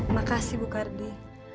makasih bu karde